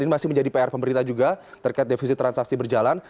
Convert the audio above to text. ini masih menjadi pr pemerintah juga terkait defisit transaksi berjalan